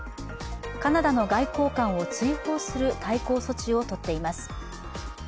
カナダの外交官を追放する対抗措置をとっています。